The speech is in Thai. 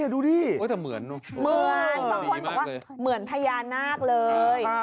นี่ดูดิโอ้ยแต่เหมือนโอ้ยดีมากเลยโอ้ยมันเหมือนพญานาคเลย